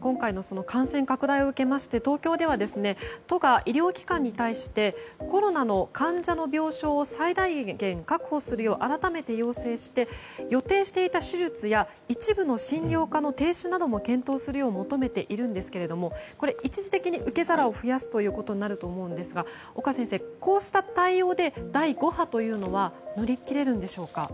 今回の感染拡大を受けまして東京では都が医療機関に対してコロナの患者の病床を最大限確保するよう、改めて要請して、予定していた手術や一部の診療科の停止なども検討するよう求めているんですが一時的に受け皿を増やすことになると思うんですが岡先生、こうした対応で第５波は乗り切れるのでしょうか。